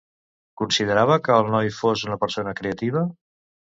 Considerava que el noi fos una persona creativa?